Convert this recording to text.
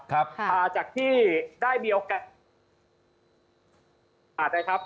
ครับจากที่ได้มีโอกาส